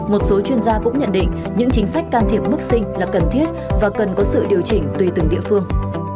một số chuyên gia cũng nhận định những chính sách can thiệp mức sinh là cần thiết và cần có sự điều chỉnh tùy từng địa phương